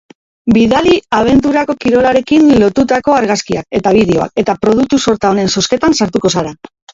Bidali abenturako kirolarekin lotutako argazkiak eta bideoak eta produktu-sorta honen zozketan sartuko zara.